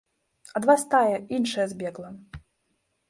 Ад вас тая, іншая збегла.